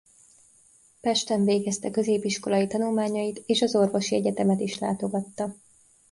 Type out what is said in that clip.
Pesten végezte középiskolai tanulmányait és az orvosi egyetemet is látogatta.